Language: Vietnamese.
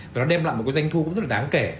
và nó đem lại một cái doanh thu cũng rất là đáng kể